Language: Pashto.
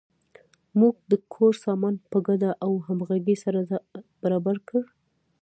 موږ د کور سامان په ګډه او همغږۍ سره برابر کړ.